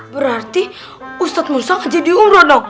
berarti ustadz musa aja diumrah dong